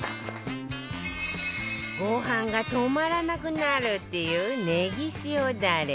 ご飯が止まらなくなるっていうねぎ塩ダレ